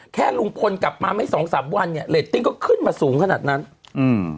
แค่ลุงพลกลับมาไม่สองสามวันเนี้ยเรตติ้งก็ขึ้นมาสูงขนาดนั้นอืม